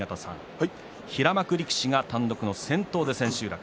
平幕力士が単独の先頭で千秋楽。